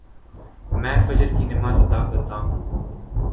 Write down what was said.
میں فجر کی نماز ادا کر تاہوں